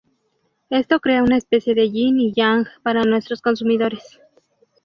Esto crea una especie de yin y yang para nuestros consumidores.